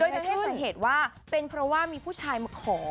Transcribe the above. โดยเทศสาเหตุว่าเป็นเพราะว่ามีผู้ชายมาขอ